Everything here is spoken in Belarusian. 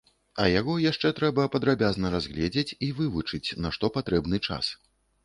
А яго яшчэ трэба падрабязна разгледзець і вывучыць, на што патрэбны час.